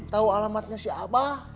tau alamatnya si abah